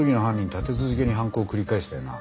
立て続けに犯行を繰り返したよな？